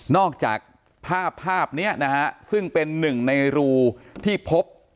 อกจากภาพภาพนี้นะฮะซึ่งเป็นหนึ่งในรูที่พบ